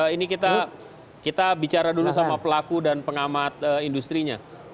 ini kita bicara dulu sama pelaku dan pengamat industri nya